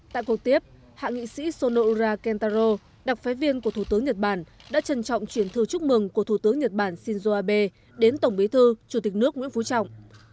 tại cuộc tiếp hạ nghị sĩ sono ura kentaro đặc phái viên của thủ tướng nhật bản đã trân trọng chuyển thư chúc mừng của thủ tướng nhật bản shinzo abe đến tổng bí thư chủ tịch nước nguyễn phú trọng